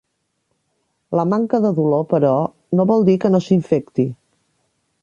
La manca de dolor, però, no vol dir que no s'infecti.